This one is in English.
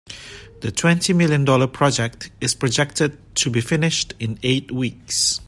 The twenty million dollar project is projected to be finished in eight weeks.